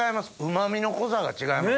旨みの濃さが違います。